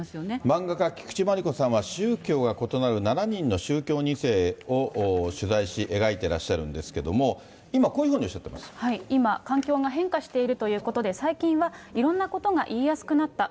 漫画家、菊池真理子さんは、宗教が異なる７人の宗教２世を取材し、描いてらっしゃるんですけれども、今、こういうふうにおっしゃって今、環境が変化しているということで、最近はいろんなことが言いやすくなった。